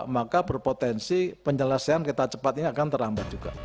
maka berpotensi penjelasan kereta cepat ini akan terambat juga